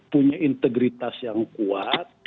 punya integritas yang kuat